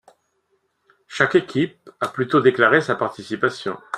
Chaque équipe a plutôt déclaré sa participation.